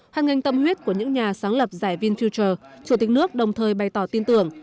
hoàn ngành tâm huyết của những nhà sáng lập giải vinfuture chủ tịch nước đồng thời bày tỏ tin tưởng